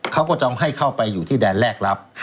เขาก็จะให้เข้าไปอยู่ที่แดนแรกรับ